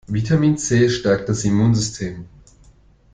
Vitamin C stärkt das Immunsystem.